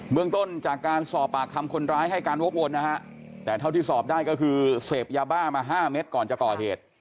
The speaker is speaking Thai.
เมืองต้นจากการสอบปากคำคนร้ายให้การวกวนนะฮะแต่เท่าที่สอบได้ก็คือเสพยาบ้ามา๕เม็ดก่อนจะก่อเหตุ